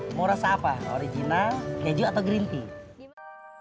mau rasa apa original keju atau green tea